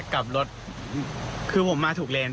กลับรถคือผมมาถูกเลน